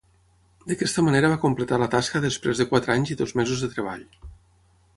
D'aquesta manera va completar la tasca després de quatre anys i dos mesos de treball.